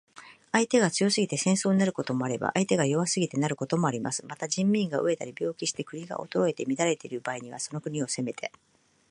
相手が強すぎて戦争になることもあれば、相手が弱すぎてなることもあります。また、人民が餓えたり病気して国が衰えて乱れている場合には、その国を攻めて